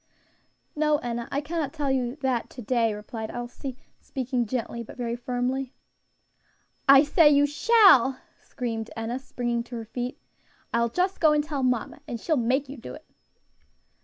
"No, Enna; I cannot tell you that to day," replied Elsie, speaking gently, but very firmly. "I say you shall!" screamed Enna, springing to her feet. "I'll just go and tell mamma, and she'll make you do it."